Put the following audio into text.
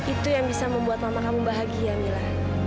itu yang bisa membuat mama kamu bahagia mila